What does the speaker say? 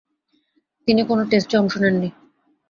তিনি কোন টেস্টে অংশ নেননি।